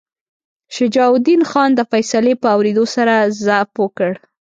شجاع الدین خان د فیصلې په اورېدو سره ضعف وکړ.